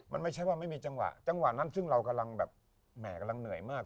มันไม่ใช่ว่าไม่มีจังหวะจังหวะนั้นซึ่งเรากำลังแบบแหม่กำลังเหนื่อยมาก